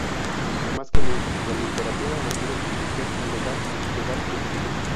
Más que nunca, la literatura mantuvo su división en legal, ilegal y exilio.